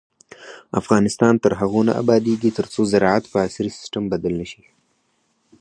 افغانستان تر هغو نه ابادیږي، ترڅو زراعت په عصري سیستم بدل نشي.